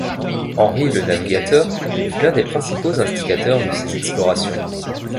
Henri le Navigateur fut l'un des principaux instigateurs de ces explorations.